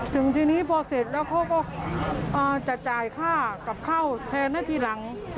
ถึงทีนี้พอเสร็จแล้วเขาก็จะจ่ายค่ากับข้าวแทนนะทีหลัง